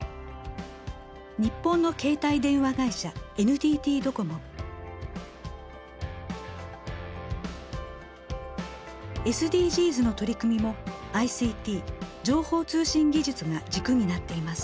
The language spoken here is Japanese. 日本の携帯電話会社ＳＤＧｓの取り組みもＩＣＴ情報通信技術が軸になっています。